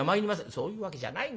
「そういうわけじゃないんですよ。